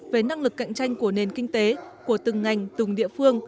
về năng lực cạnh tranh của nền kinh tế của từng ngành từng địa phương